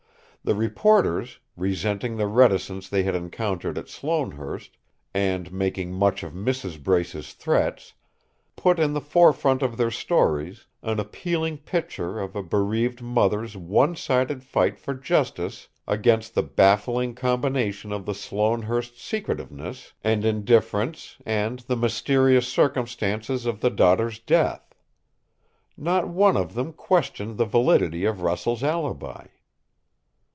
The reporters, resenting the reticence they had encountered at Sloanehurst, and making much of Mrs. Brace's threats, put in the forefront of their stories an appealing picture of a bereaved mother's one sided fight for justice against the baffling combination of the Sloanehurst secretiveness and indifference and the mysterious circumstances of the daughter's death. Not one of them questioned the validity of Russell's alibi.